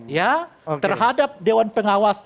ya terhadap dewan pengawas